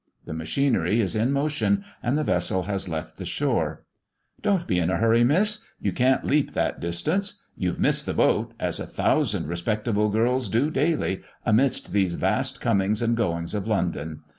The machinery is in motion, and the vessel has left the shore. "Dont be in a hurry, miss! You can't leap that distance. You've missed the boat, as a thousand respectable girls do daily, amidst these vast comings and goings of London.